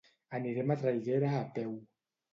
Anirem a Traiguera a peu.